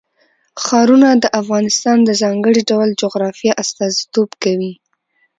ښارونه د افغانستان د ځانګړي ډول جغرافیه استازیتوب کوي.